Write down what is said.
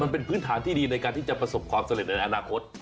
มันเป็นพื้นฐานที่ดีในการที่จะประสบความสำเร็จในอนาคต